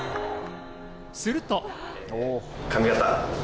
すると。